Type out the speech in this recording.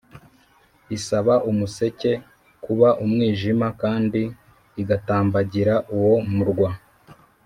Isaba umuseke kuba umwijima kandi igatambagira uwo murwa